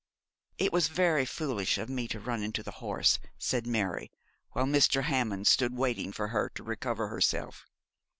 'It was very foolish of me to run into the horse,' said Mary, while Mr. Hammond stood waiting for her to recover herself.